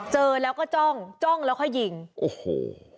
เจอแล้วก็จ้องจ้องแล้วค่อยยิงโอ้โห